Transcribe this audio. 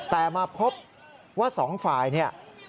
แต่มาพบว่า๒ฝ่ายนี่